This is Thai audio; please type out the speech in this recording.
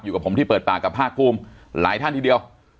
กับผมที่เปิดปากกับภาคภูมิหลายท่านทีเดียว